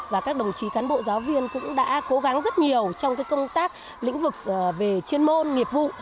và các đồng chí cán bộ giáo viên cũng đã cố gắng rất nhiều trong công tác lĩnh vực về chuyên môn nghiệp vụ